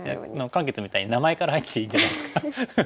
漢傑みたいに名前から入ってていいんじゃないですか。